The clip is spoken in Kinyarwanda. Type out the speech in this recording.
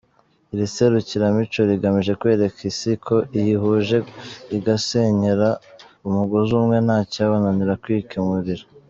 Iri serukiramuco rigamije kwereka Isi ko yihuje igasenyera umugozi umwe nta cyabananira kwikemurira.